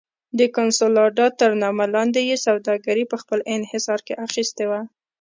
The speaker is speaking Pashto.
د کنسولاډا تر نامه لاندې یې سوداګري په خپل انحصار کې اخیستې وه.